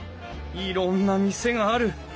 いろんな店がある。